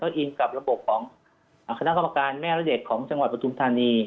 อิงกับระบบของคณะกรรมการแม่และเด็กของจังหวัดปฐุมธานี